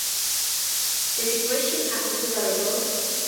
The digressions are considerable.